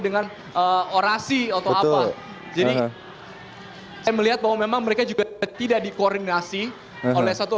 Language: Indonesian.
dengan orasi atau apa jadi saya melihat bahwa memang mereka juga tidak dikoordinasi oleh satu